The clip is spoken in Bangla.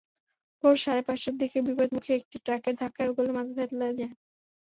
ভোর সাড়ে পাঁচটার দিকে বিপরীতমুখী একটি ট্রাকের ধাক্কায় রুবেলের মাথা থেঁতলে যায়।